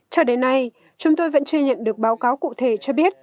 cho đến nay chúng tôi vẫn chưa nhận được báo cáo cụ thể cho biết